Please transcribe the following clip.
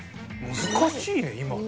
難しいね今の。